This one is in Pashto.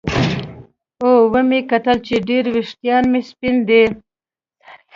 او ومې کتل چې ډېر ویښتان مې سپین دي